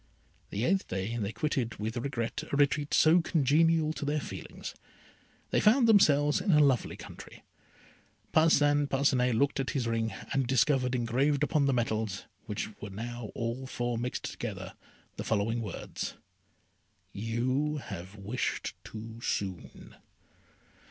The eighth day they quitted with regret a retreat so congenial to their feelings. They found themselves in a lovely country. Parcin Parcinet looked at his ring, and discovered engraved upon the metals, which were now all four mixed together, the following words: "You have wished too soon."